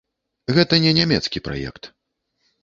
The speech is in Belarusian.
Гэта не нямецкі праект.